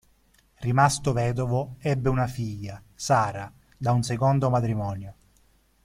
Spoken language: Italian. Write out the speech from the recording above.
Rimasto vedovo, ebbe una figlia, Sarah, da un secondo matrimonio.